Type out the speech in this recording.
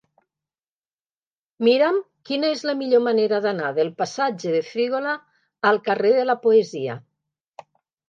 Mira'm quina és la millor manera d'anar del passatge de Frígola al carrer de la Poesia.